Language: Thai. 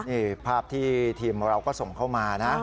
นี่ภาพที่ทีมของเราก็ส่งเข้ามานะ